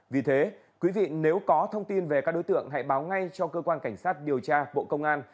vì thế quý vị nếu có thông tin về các đối tượng hãy báo ngay cho cơ quan cảnh sát điều tra bộ công an